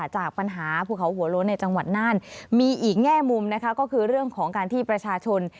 จากปัญหาภูเขาหัวโล้นในจังหวัดน่านมีอีกแง่มุมนะคะก็คือเรื่องของการที่ประชาชน